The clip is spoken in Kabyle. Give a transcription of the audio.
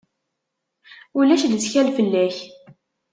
Ulac lettkal fell-ak.